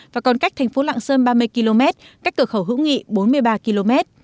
và còn cách thành phố lạng sơn ba mươi km cách cửa khẩu hữu nghị bốn mươi ba km